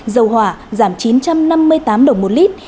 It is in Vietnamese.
dầu hỏa giảm chín trăm năm mươi tám đồng một lít